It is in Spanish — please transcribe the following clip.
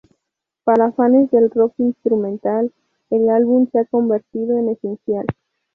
Para fanes del rock instrumental, el álbum se ha convertido en esencial.